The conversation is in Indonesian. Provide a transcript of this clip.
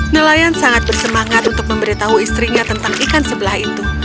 nelayan sangat bersemangat untuk memberitahu istrinya tentang ikan sebelah itu